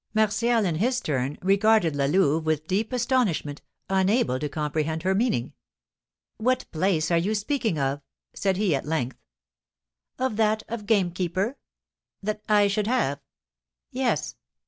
Martial, in his turn, regarded La Louve with deep astonishment, unable to comprehend her meaning. "What place are you speaking of?" said he, at length. "Of that of gamekeeper." "That I should have?" "Yes."